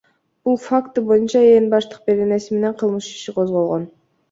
Бул факты боюнча Ээн баштык беренеси менен кылмыш иши козголгон.